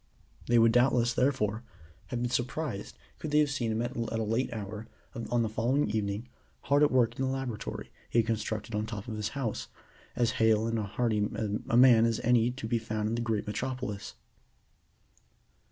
They would doubtless, therefore, have been surprised could they have seen him at a late hour on the following evening hard at work in the laboratory he had constructed at the top of his house, as hale and hearty a man as any to be found in the great Metropolis.